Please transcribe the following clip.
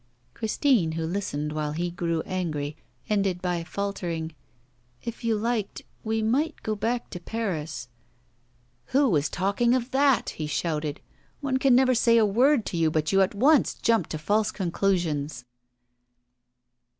Christine, who listened while he grew angry, ended by faltering: 'If you liked, we might go back to Paris.' 'Who was talking of that?' he shouted. 'One can never say a word to you but you at once jump to false conclusions.